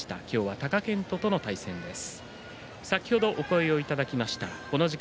今日は貴健斗との対戦です。